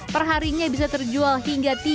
perharinya bisa terjual hingga tiga ratus porsi